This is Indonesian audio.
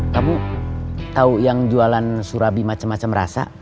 kamu tahu yang jualan surabi macam macam rasa